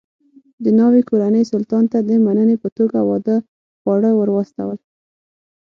د ناوې کورنۍ سلطان ته د مننې په توګه واده خواړه ور واستول.